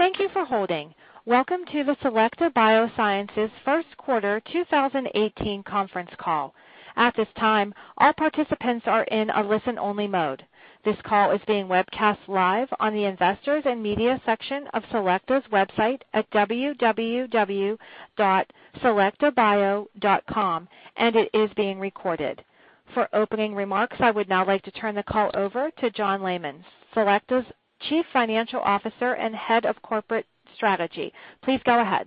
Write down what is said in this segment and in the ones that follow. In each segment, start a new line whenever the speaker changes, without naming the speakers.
Thank you for holding. Welcome to the Selecta Biosciences first quarter 2018 conference call. At this time, all participants are in a listen-only mode. This call is being webcast live on the Investors and Media section of Selecta's website at www.selectabio.com, and it is being recorded. For opening remarks, I would now like to turn the call over to John Leaman, Selecta's Chief Financial Officer and Head of Corporate Strategy. Please go ahead.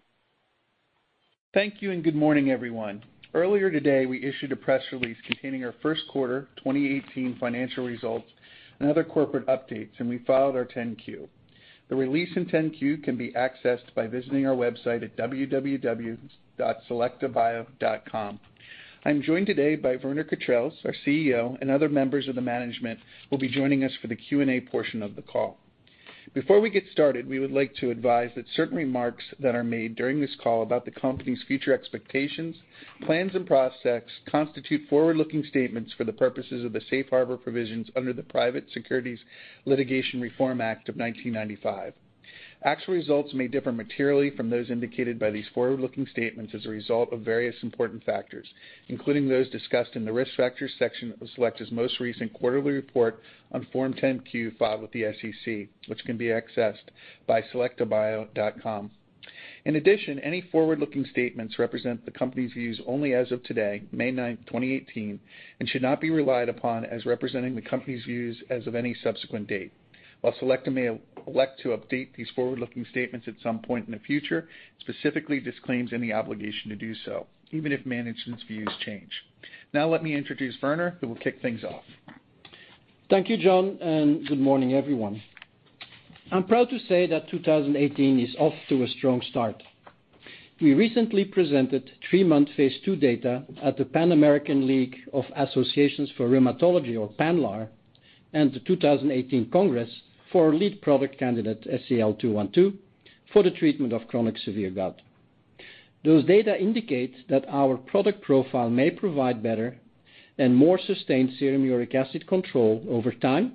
Thank you. Good morning, everyone. Earlier today, we issued a press release containing our first quarter 2018 financial results and other corporate updates, and we filed our 10-Q. The release in 10-Q can be accessed by visiting our website at www.selectabio.com. I am joined today by Werner Cautreels, our CEO, and other members of the management will be joining us for the Q&A portion of the call. Before we get started, we would like to advise that certain remarks that are made during this call about the company's future expectations, plans, and prospects constitute forward-looking statements for the purposes of the safe harbor provisions under the Private Securities Litigation Reform Act of 1995. Actual results may differ materially from those indicated by these forward-looking statements as a result of various important factors, including those discussed in the Risk Factors section of Selecta's most recent quarterly report on Form 10-Q filed with the SEC, which can be accessed by selectabio.com. In addition, any forward-looking statements represent the company's views only as of today, May 9th, 2018, and should not be relied upon as representing the company's views as of any subsequent date. While Selecta may elect to update these forward-looking statements at some point in the future, it specifically disclaims any obligation to do so, even if management's views change. Let me introduce Werner, who will kick things off.
Thank you, John. Good morning, everyone. I am proud to say that 2018 is off to a strong start. We recently presented three-month phase II data at the Pan American League of Associations for Rheumatology, or PANLAR, and the 2018 Congress for our lead product candidate, SEL-212, for the treatment of chronic severe gout. Those data indicate that our product profile may provide better and more sustained serum uric acid control over time,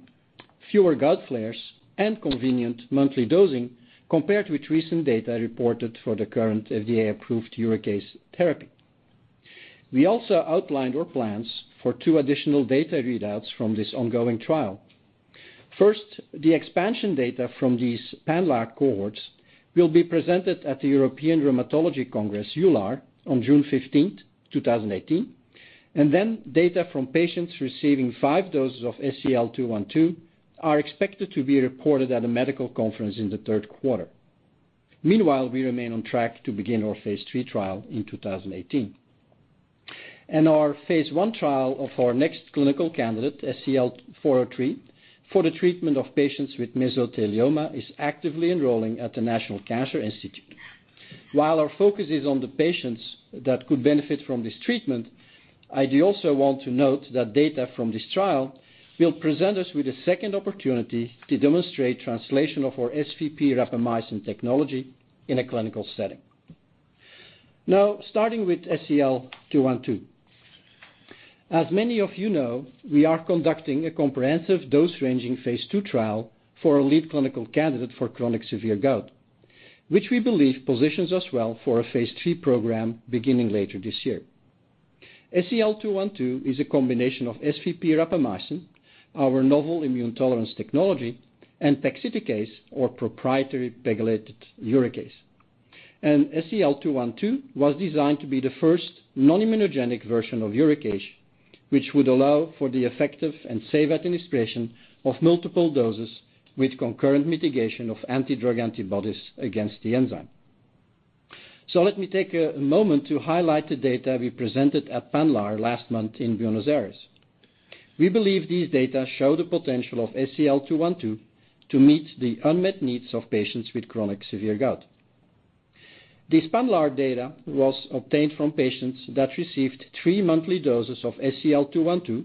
fewer gout flares, and convenient monthly dosing, compared with recent data reported for the current FDA-approved uricase therapy. We also outlined our plans for two additional data readouts from this ongoing trial. First, the expansion data from these PANLAR cohorts will be presented at the European Congress of Rheumatology, EULAR, on June 15th, 2018. Then data from patients receiving five doses of SEL-212 are expected to be reported at a medical conference in the third quarter. Meanwhile, we remain on track to begin our phase III trial in 2018. Our phase I trial of our next clinical candidate, SEL-403, for the treatment of patients with mesothelioma, is actively enrolling at the National Cancer Institute. While our focus is on the patients that could benefit from this treatment, I do also want to note that data from this trial will present us with a second opportunity to demonstrate translation of our SVP-Rapamycin technology in a clinical setting. Starting with SEL-212. As many of you know, we are conducting a comprehensive dose-ranging phase II trial for our lead clinical candidate for chronic severe gout, which we believe positions us well for a phase III program beginning later this year. SEL-212 is a combination of SVP-Rapamycin, our novel immune tolerance technology, and pegsiticase our proprietary pegylated uricase. SEL-212 was designed to be the first non-immunogenic version of uricase, which would allow for the effective and safe administration of multiple doses with concurrent mitigation of anti-drug antibodies against the enzyme. Let me take a moment to highlight the data we presented at PANLAR last month in Buenos Aires. We believe these data show the potential of SEL-212 to meet the unmet needs of patients with chronic severe gout. This PANLAR data was obtained from patients that received 3 monthly doses of SEL-212,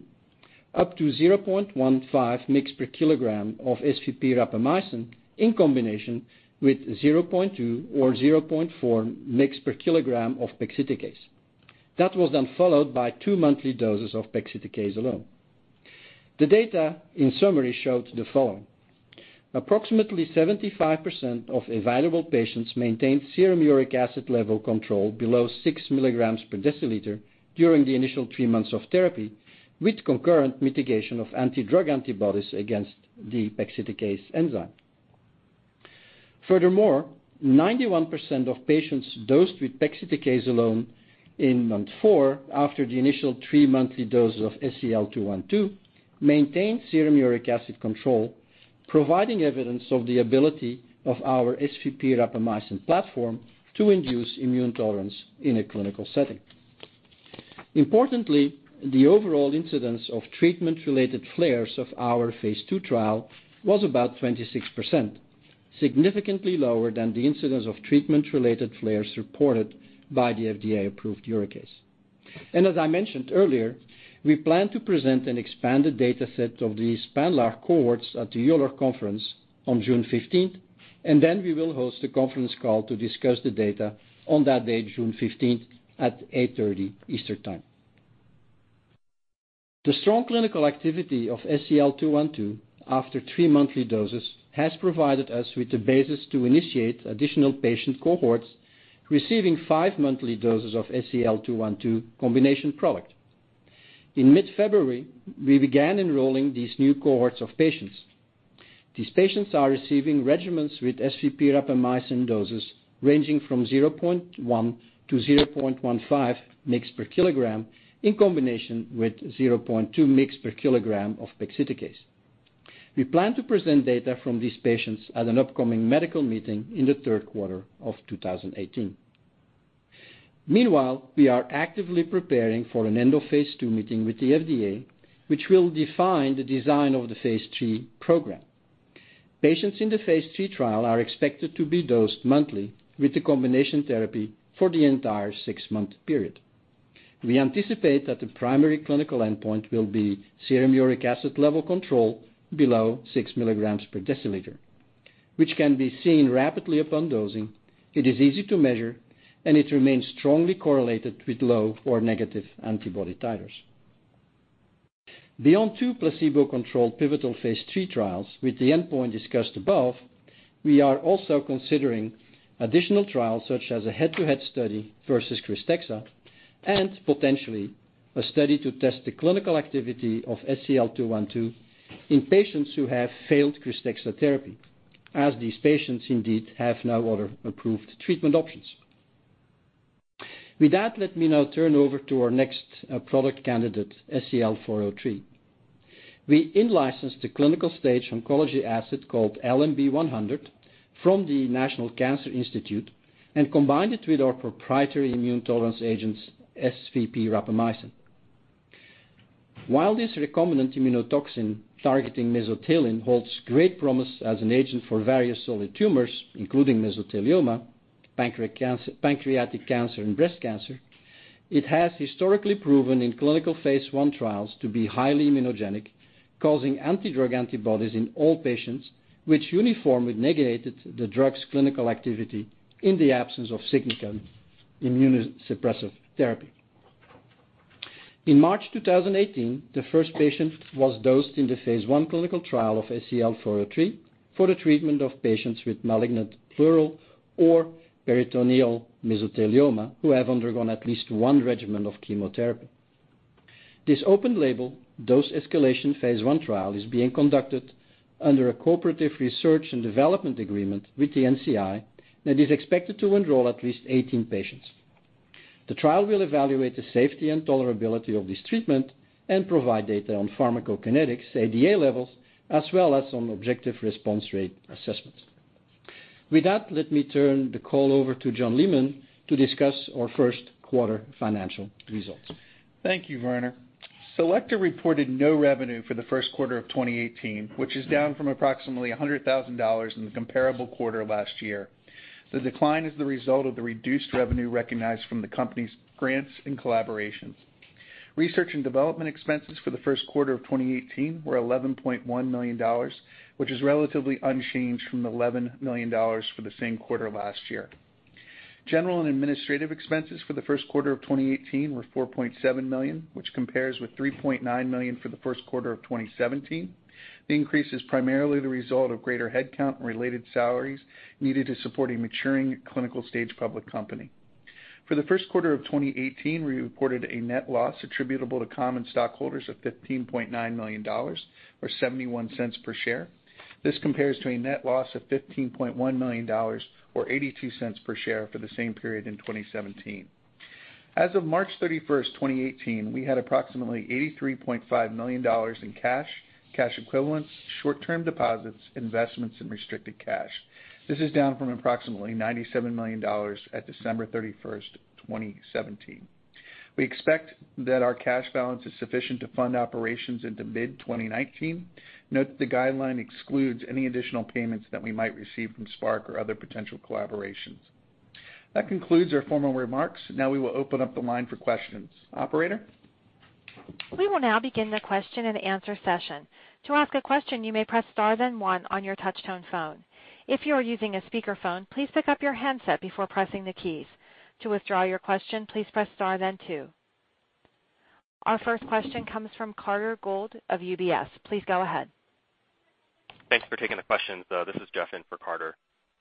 up to 0.15 mg per kilogram of SVP-Rapamycin, in combination with 0.2 or 0.4 mg per kilogram of pegsiticase. Followed by 2 monthly doses of pegsiticase alone. The data, in summary, showed the following. Approximately 75% of evaluable patients maintained serum uric acid level control below six milligrams per deciliter during the initial 3 months of therapy, with concurrent mitigation of anti-drug antibodies against the pegsiticase enzyme. Furthermore, 91% of patients dosed with pegsiticase alone in month 4, after the initial 3-monthly dose of SEL-212, maintained serum uric acid control, providing evidence of the ability of our SVP-Rapamycin platform to induce immune tolerance in a clinical setting. Importantly, the overall incidence of treatment-related flares of our phase II trial was about 26%, significantly lower than the incidence of treatment-related flares reported by the FDA-approved uricase. As I mentioned earlier, we plan to present an expanded data set of these PANLAR cohorts at the EULAR conference on June 15th. We will host a conference call to discuss the data on that date, June 15th, at 8:30 A.M. Eastern Time. The strong clinical activity of SEL-212 after 3 monthly doses has provided us with the basis to initiate additional patient cohorts receiving five monthly doses of SEL-212 combination product. In mid-February, we began enrolling these new cohorts of patients. These patients are receiving regimens with SVP-Rapamycin doses ranging from 0.1 to 0.15 mg per kilogram, in combination with 0.2 mg per kilogram of pegsiticase. We plan to present data from these patients at an upcoming medical meeting in the third quarter of 2018. Meanwhile, we are actively preparing for an end-of-phase II meeting with the FDA, which will define the design of the phase III program. Patients in the phase III trial are expected to be dosed monthly with the combination therapy for the entire 6-month period. We anticipate that the primary clinical endpoint will be serum uric acid level control below six milligrams per deciliter, which can be seen rapidly upon dosing. It is easy to measure, and it remains strongly correlated with low or negative antibody titers. Beyond two placebo-controlled pivotal phase III trials, with the endpoint discussed above, we are also considering additional trials such as a head-to-head study versus KRYSTEXXA, and potentially a study to test the clinical activity of SEL-212 in patients who have failed KRYSTEXXA therapy, as these patients indeed have no other approved treatment options. With that, let me now turn over to our next product candidate, SEL-403. We in-licensed a clinical-stage oncology asset called LMB-100 from the National Cancer Institute and combined it with our proprietary immune tolerance agent, SVP-Rapamycin. While this recombinant immunotoxin targeting mesothelin holds great promise as an agent for various solid tumors, including mesothelioma, pancreatic cancer, and breast cancer, it has historically proven in clinical phase I trials to be highly immunogenic, causing anti-drug antibodies in all patients, which uniformly negated the drug's clinical activity in the absence of significant immunosuppressive therapy. In March 2018, the first patient was dosed in the phase I clinical trial of SEL-403 for the treatment of patients with malignant pleural or peritoneal mesothelioma who have undergone at least one regimen of chemotherapy. This open-label dose escalation phase I trial is being conducted under a cooperative research and development agreement with the NCI and is expected to enroll at least 18 patients. The trial will evaluate the safety and tolerability of this treatment and provide data on pharmacokinetics, ADA levels, as well as on objective response rate assessments. With that, let me turn the call over to John Leaman to discuss our first quarter financial results.
Thank you, Werner. Selecta reported no revenue for the first quarter of 2018, which is down from approximately $100,000 in the comparable quarter last year. The decline is the result of the reduced revenue recognized from the company's grants and collaborations. Research and development expenses for the first quarter of 2018 were $11.1 million, which is relatively unchanged from the $11 million for the same quarter last year. General and administrative expenses for the first quarter of 2018 were $4.7 million, which compares with $3.9 million for the first quarter of 2017. The increase is primarily the result of greater headcount and related salaries needed to support a maturing clinical-stage public company. For the first quarter of 2018, we reported a net loss attributable to common stockholders of $15.9 million, or $0.71 per share. This compares to a net loss of $15.1 million or $0.82 per share for the same period in 2017. As of March 31st, 2018, we had approximately $83.5 million in cash equivalents, short-term deposits, investments, and restricted cash. This is down from approximately $97 million at December 31st, 2017. We expect that our cash balance is sufficient to fund operations into mid-2019. Note that the guideline excludes any additional payments that we might receive from Spark or other potential collaborations. That concludes our formal remarks. We will open up the line for questions. Operator?
We will begin the question and answer session. To ask a question, you may press star then one on your touch-tone phone. If you are using a speakerphone, please pick up your handset before pressing the keys. To withdraw your question, please press star then two. Our first question comes from Carter Gould of UBS. Please go ahead.
Thanks for taking the questions. This is Jeff in for Carter.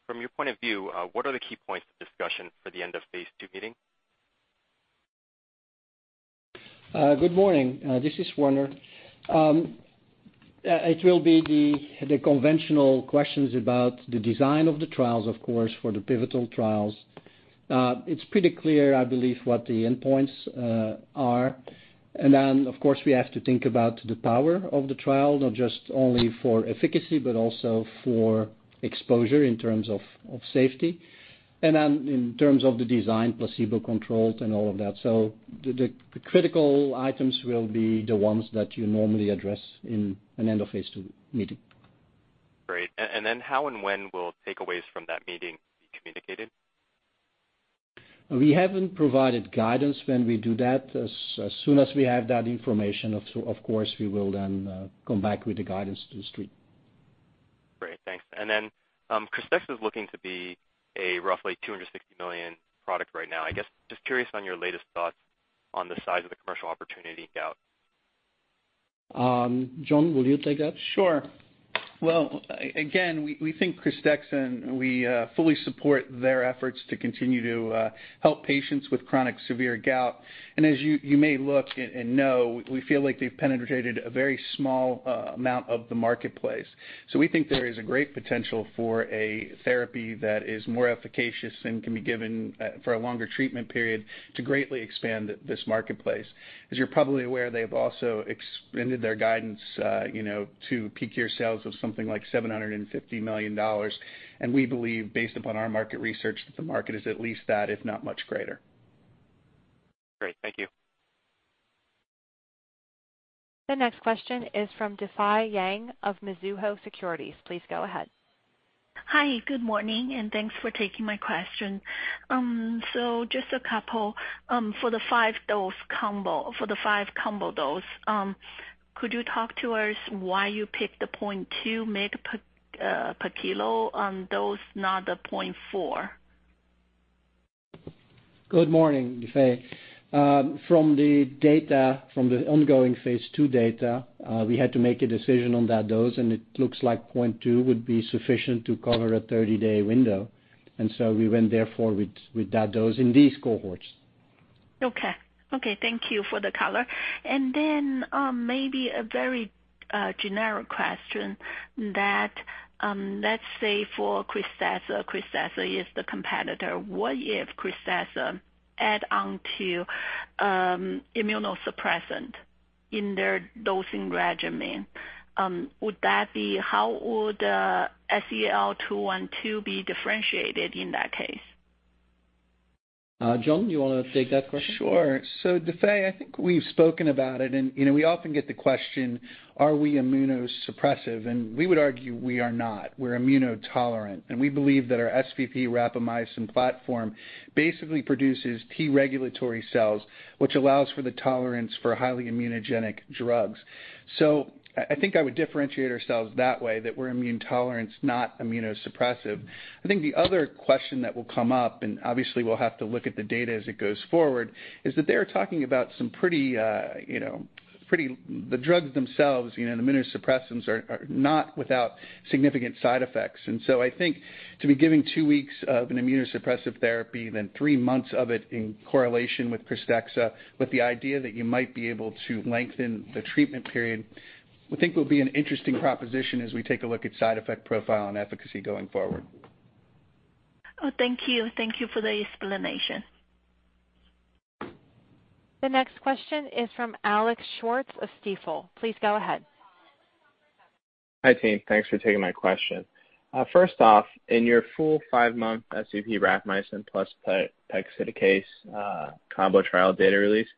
From your point of view, what are the key points of discussion for the end of phase II meeting?
Good morning. This is Werner. It will be the conventional questions about the design of the trials, of course, for the pivotal trials. It's pretty clear, I believe, what the endpoints are. Of course, we have to think about the power of the trial, not just only for efficacy, but also for exposure in terms of safety. In terms of the design, placebo-controlled and all of that. The critical items will be the ones that you normally address in an end-of-phase II meeting.
Great. How and when will takeaways from that meeting be communicated?
We haven't provided guidance when we do that. As soon as we have that information, of course, we will then come back with the guidance to the street.
KRYSTEXXA is looking to be a roughly $260 million product right now. I guess just curious on your latest thoughts on the size of the commercial opportunity in gout.
John, will you take that?
Sure. Well, again, we think KRYSTEXXA, we fully support their efforts to continue to help patients with chronic severe gout. As you may look and know, we feel like they've penetrated a very small amount of the marketplace. We think there is a great potential for a therapy that is more efficacious and can be given for a longer treatment period to greatly expand this marketplace. As you're probably aware, they've also expanded their guidance to peak year sales of something like $750 million. We believe, based upon our market research, that the market is at least that, if not much greater.
Great. Thank you.
The next question is from Difei Yang of Mizuho Securities. Please go ahead.
Hi, good morning, and thanks for taking my question. Just a couple. For the five combo dose, could you talk to us why you picked the 0.2 mg per kilo dose, not the 0.4?
Good morning, Difei. From the ongoing phase II data, we had to make a decision on that dose, and it looks like 0.2 would be sufficient to cover a 30-day window. We went therefore with that dose in these cohorts.
Okay. Thank you for the color. Maybe a very generic question that, let's say for KRYSTEXXA is the competitor. What if KRYSTEXXA add on to immunosuppressant in their dosing regimen? How would SEL-212 be differentiated in that case?
John, do you want to take that question?
Sure. Difei, I think we've spoken about it, we often get the question, are we immunosuppressive? We would argue we are not. We're immune tolerant, and we believe that our SVP-Rapamycin platform basically produces T-regulatory cells, which allows for the tolerance for highly immunogenic drugs. I think I would differentiate ourselves that way, that we're immune tolerant, not immunosuppressive. I think the other question that will come up, and obviously we'll have to look at the data as it goes forward, is that they are talking about The drugs themselves, the immunosuppressants, are not without significant side effects. I think to be giving two weeks of an immunosuppressive therapy, then three months of it in correlation with KRYSTEXXA, with the idea that you might be able to lengthen the treatment period, we think will be an interesting proposition as we take a look at side effect profile and efficacy going forward.
Thank you. Thank you for the explanation.
The next question is from Alex Schwartz of Stifel. Please go ahead.
Hi, team. Thanks for taking my question. First off, in your full five-month SVP-Rapamycin plus pegsiticase combo trial data release,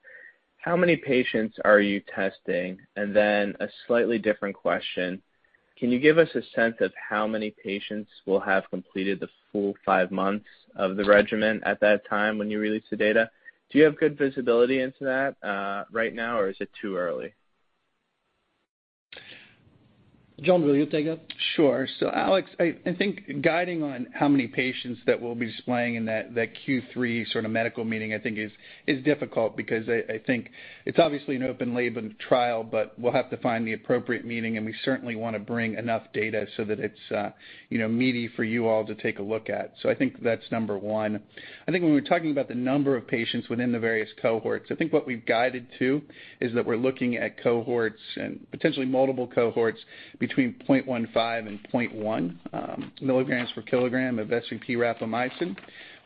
how many patients are you testing? A slightly different question, can you give us a sense of how many patients will have completed the full five months of the regimen at that time when you release the data? Do you have good visibility into that right now, or is it too early?
John, will you take that?
Sure. Alex, I think guiding on how many patients that we'll be displaying in that Q3 sort of medical meeting, I think is difficult because I think it's obviously an open-label trial, but we'll have to find the appropriate meeting, and we certainly want to bring enough data so that it's meaty for you all to take a look at. I think that's number one. I think when we're talking about the number of patients within the various cohorts, I think what we've guided to is that we're looking at cohorts and potentially multiple cohorts between 0.15 and 0.1 milligrams per kilogram of SVP-Rapamycin.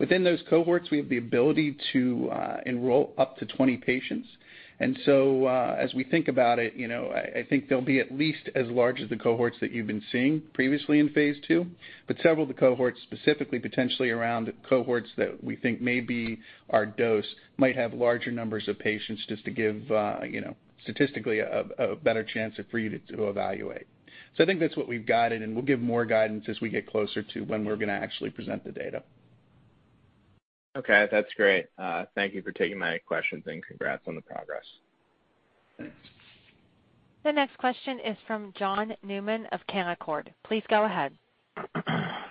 Within those cohorts, we have the ability to enroll up to 20 patients. As we think about it, I think they'll be at least as large as the cohorts that you've been seeing previously in phase II, several of the cohorts, specifically potentially around cohorts that we think may be our dose, might have larger numbers of patients just to give statistically a better chance for you to evaluate. I think that's what we've guided, and we'll give more guidance as we get closer to when we're going to actually present the data.
Okay, that's great. Thank you for taking my questions, congrats on the progress.
Thanks.
The next question is from John Newman of Canaccord. Please go ahead.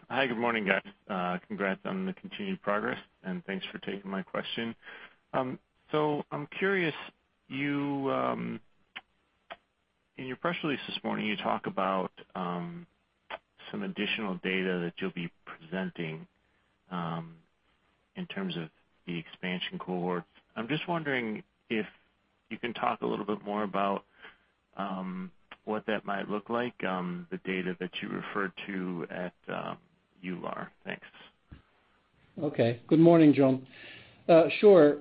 Hi, good morning, guys. Congrats on the continued progress, and thanks for taking my question. I'm curious, in your press release this morning, you talk about some additional data that you'll be presenting in terms of the expansion cohort. I'm just wondering if you can talk a little bit more about what that might look like, the data that you referred to at EULAR. Thanks.
Okay. Good morning, John. Sure.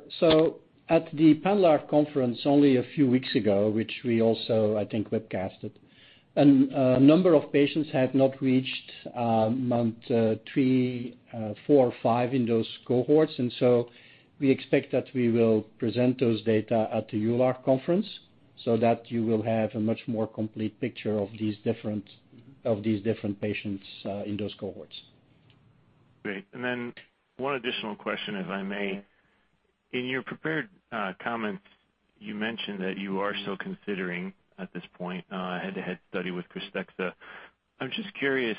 At the PANLAR conference only a few weeks ago, which we also, I think, webcasted, a number of patients had not reached month three, four, or five in those cohorts, we expect that we will present those data at the EULAR conference so that you will have a much more complete picture of these different patients in those cohorts.
Great. One additional question, if I may. In your prepared comments, you mentioned that you are still considering at this point a head-to-head study with KRYSTEXXA. I'm just curious,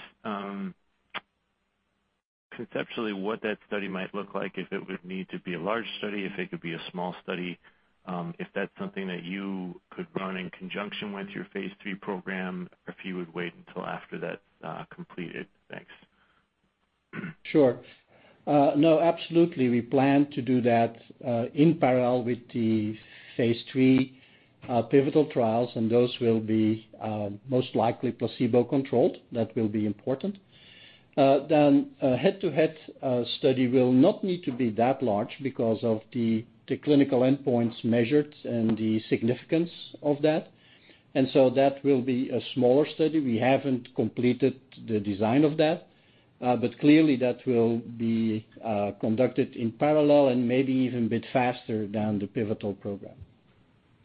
conceptually, what that study might look like, if it would need to be a large study, if it could be a small study, if that's something that you could run in conjunction with your phase III program, or if you would wait until after that's completed. Thanks.
Sure. No, absolutely. We plan to do that in parallel with the phase III pivotal trials. Those will be most likely placebo-controlled. That will be important. A head-to-head study will not need to be that large because of the clinical endpoints measured and the significance of that. That will be a smaller study. We haven't completed the design of that. Clearly that will be conducted in parallel and maybe even a bit faster than the pivotal program.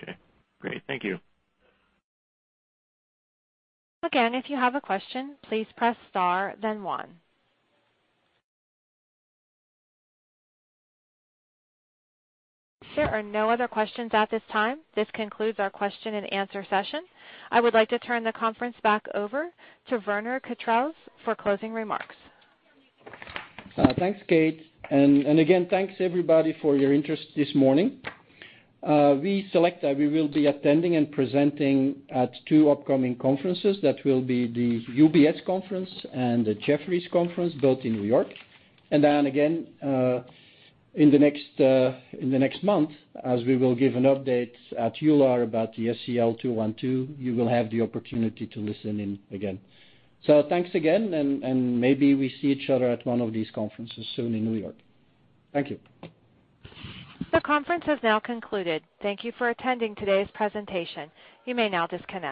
Okay, great. Thank you.
Again, if you have a question, please press star then one. There are no other questions at this time. This concludes our question and answer session. I would like to turn the conference back over to Werner Cautreels for closing remarks.
Thanks, Kate. Again, thanks everybody for your interest this morning. Selecta will be attending and presenting at two upcoming conferences. That will be the UBS conference and the Jefferies conference, both in New York. Again, in the next month, as we will give an update at EULAR about the SEL-212, you will have the opportunity to listen in again. Thanks again, and maybe we see each other at one of these conferences soon in New York. Thank you.
The conference has now concluded. Thank you for attending today's presentation. You may now disconnect.